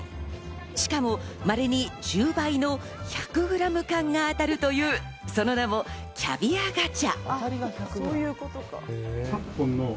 しかも、まれに１０倍の１００ｇ缶が当たるというその名もキャビアガチャ。